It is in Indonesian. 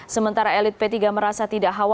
sementara elit p tiga merasa tidak khawatir